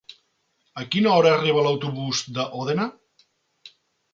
A quina hora arriba l'autobús de Òdena?